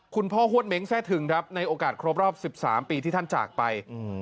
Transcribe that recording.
ฮวดเม้งแทร่ถึงครับในโอกาสครบรอบ๑๓ปีที่ท่านจากไป